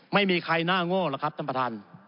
ไม่มีใครน่าโง่หรอกครับท่านประธาน